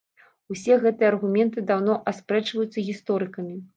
Усе гэтыя аргументы даўно аспрэчваюцца гісторыкамі.